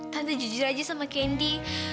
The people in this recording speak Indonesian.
tante jujur aja sama kendi